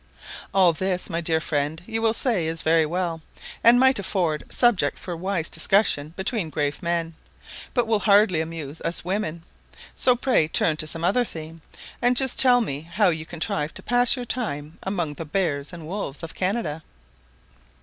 All this, my dear friend, you will say is very well, and might afford subject for a wise discussion between grave men, but will hardly amuse us women; so pray turn to some other theme, and just tell me how you contrive to pass your time among the bears and wolves of Canada.